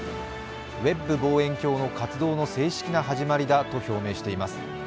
ウェッブ望遠鏡の活動の正式な始まりだと表明しています。